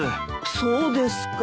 そうですか。